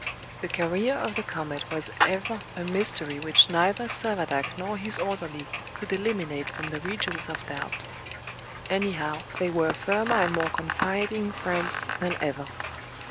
The career of the comet was ever a mystery which neither Servadac nor his orderly could eliminate from the regions of doubt. Anyhow, they were firmer and more confiding friends than ever.